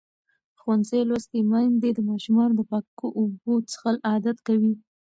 ښوونځې لوستې میندې د ماشومانو د پاکو اوبو څښل عادت کوي.